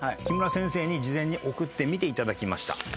木村先生に事前に送って見ていただきました。